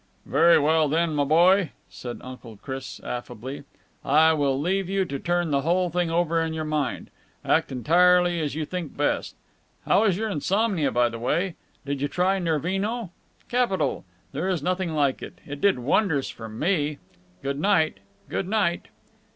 "Very well, then, my boy," said Uncle Chris affably. "I will leave you to turn the whole thing over in your mind. Act entirely as you think best. How is your insomnia, by the way? Did you try Nervino? Capital! There's nothing like it. It did wonders for me! Good night, good night!"